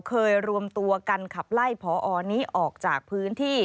เคยรวมตัวกันขับไล่พอนี้ออกจากพื้นที่